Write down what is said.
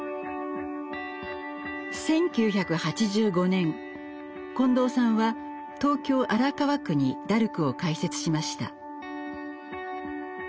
１９８５年近藤さんは東京・荒川区にダルクを開設しました。